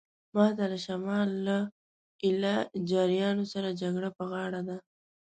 ماته له شمال له ایله جاریانو سره جګړه په غاړه ده.